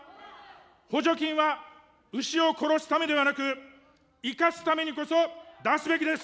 補助金は牛を殺すためではなく、生かすためにこそ出すべきです。